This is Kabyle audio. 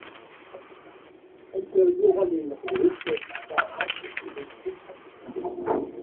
Amek armi uɣalen Leqbayel ttarun s taɛrabt deg Facebook?